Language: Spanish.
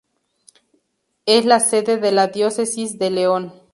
Es la sede de la Diócesis de León.